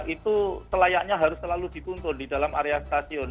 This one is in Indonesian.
itu selayaknya harus selalu dituntun di dalam area stasiun